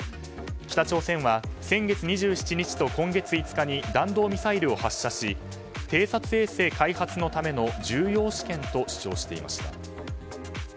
北朝鮮は先月２７日と今月５日に弾道ミサイルを発射し偵察衛星開発のための重要試験と主張していました。